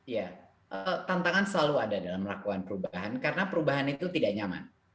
ya tantangan selalu ada dalam melakukan perubahan karena perubahan itu tidak nyaman